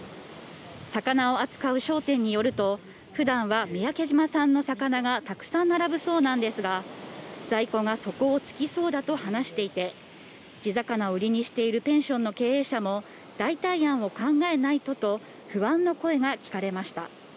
魚を扱う商店によると、ふだんは三宅島産の魚がたくさん並ぶそうなんですが、在庫が底をつきそうだと話していて、地魚を売りにしているペンションの経営者も、代替案を考えないとと、不安の声が聞かれました。